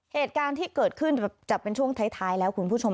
เหตุการณ์ที่เกิดขึ้นจะเป็นช่วงท้ายแล้วคุณผู้ชม